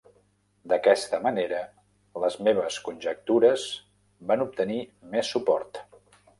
D'aquesta manera, les meves conjectures van obtenint més suport.